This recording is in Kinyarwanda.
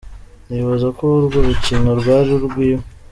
Nibaza ko urwo rukino rwari urwiwe.